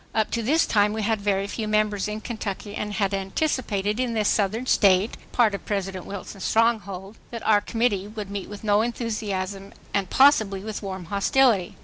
Up to this time we had very few members in Kentucky and had anticipated in this Southern State, part of President Wilson ,'s stronghold, that our Committee would meet with no enthusiasm and possibly with warm hostility.